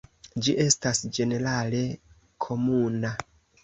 Ĝi estas ĝenerale komuna.